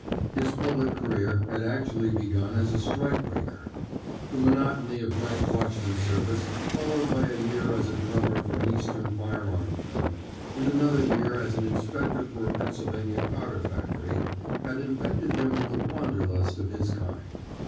His public career had actually begun as a strike breaker. The monotony of night watchman service, followed by a year as a drummer for an Eastern firearm firm, and another year as an inspector for a Pennsylvania powder factory, had infected him with the wanderlust of his kind.